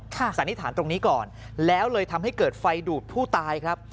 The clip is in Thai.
สันนิษฐานตรงนี้ก่อนแล้วเลยทำให้เกิดไฟดูดผู้ตายครับ